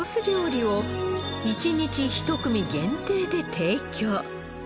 料理を１日１組限定で提供。